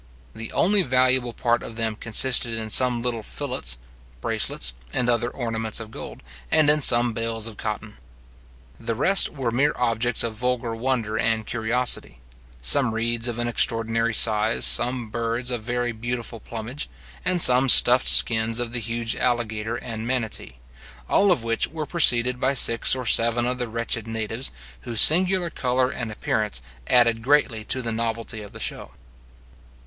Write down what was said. The only valuable part of them consisted in some little fillets, bracelets, and other ornaments of gold, and in some bales of cotton. The rest were mere objects of vulgar wonder and curiosity; some reeds of an extraordinary size, some birds of a very beautiful plumage, and some stuffed skins of the huge alligator and manati; all of which were preceded by six or seven of the wretched natives, whose singular colour and appearance added greatly to the novelty of the show.